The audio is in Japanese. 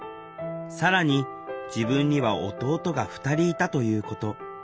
更に自分には弟が２人いたということ。